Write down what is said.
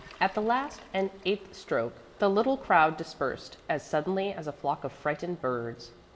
At the last and eighth stroke the little crowd dispersed as suddenly as a flock of frightened birds.